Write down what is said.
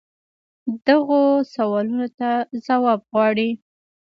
دغو سوالونو ته جواب غواړي.